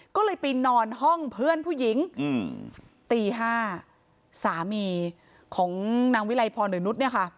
ก็เลยไปนอนห้องเพื่อนผู้หญิงตี๕สามีของนางวิลัยพรหรือนุษย์เนี่ยค่ะ